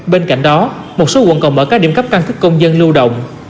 bên cạnh đó một số quận còn mở các điểm cấp căn cước công dân lưu động